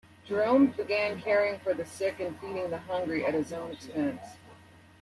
Jerome began caring for the sick and feeding the hungry at his own expense.